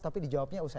tapi dijawabnya usai